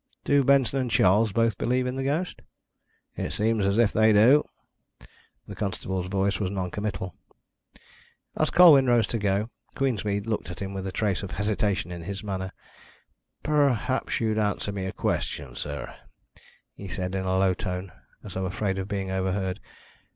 "Do Benson and Charles both believe in the ghost?" "It seems as if they do." The constable's voice was noncommittal. As Colwyn rose to go, Queensmead looked at him with a trace of hesitation in his manner. "Perhaps you'd answer me a question, sir," he said in a low tone, as though afraid of being overheard.